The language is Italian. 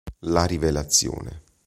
La rivelazione